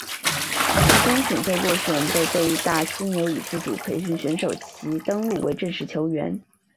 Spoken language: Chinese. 于季中选秀落选被被义大犀牛以自主培训选手其登录为正式球员。